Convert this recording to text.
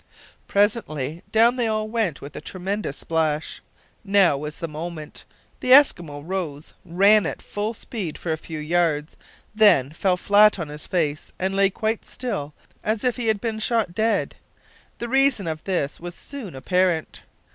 Presently, down they all went with a tremendous splash. Now was the moment! the Eskimo rose, ran at full speed for a few yards, then fell flat on his face, and lay quite still as if he had been shot dead. The reason of this was soon apparent.